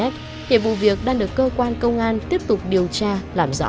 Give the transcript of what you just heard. hiện vụ việc đang được cơ quan công an tiếp tục điều tra làm rõ